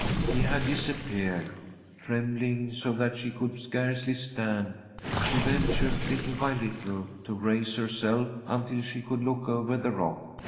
He had disappeared. Trembling so that she could scarcely stand, she ventured, little by little, to raise herself until she could look over the rock.